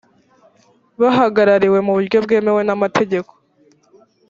bahagarariwe mu buryo bwemewe n’ amategeko